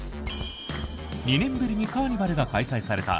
２年ぶりにカーニバルが開催された